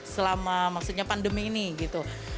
selama maksudnya pandemi ini gitu